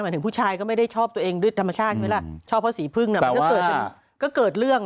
หมายถึงผู้ชายก็ไม่ได้ชอบตัวเองริดธรรมชาติใช่ไหมล่ะชอบเพราะสีพึ่งก็เกิดเรื่อง